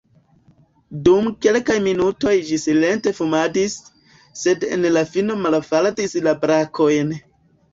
Dum kelkaj minutoj ĝi silente fumadis, sed en la fino malfaldis la brakojn.